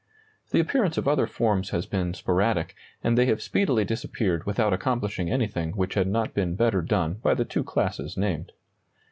The appearance of other forms has been sporadic, and they have speedily disappeared without accomplishing anything which had not been better done by the two classes named.